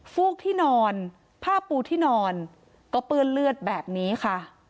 ฟูกที่นอนผ้าปูที่นอนก็เปื้อนเลือดแบบนี้ค่ะ